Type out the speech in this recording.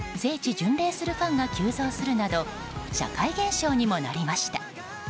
巡礼するファンが急増するなど社会現象にもなりました。